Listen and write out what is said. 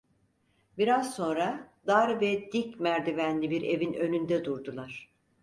Biraz sonra dar ve dik merdivenli bir evin önünde durdular.